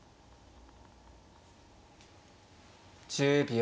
１０秒。